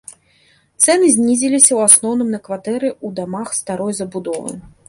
Цэны знізіліся ў асноўным на кватэры ў дамах старой забудовы.